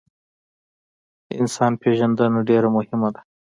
انسان پیژندنه ډیره مهمه ده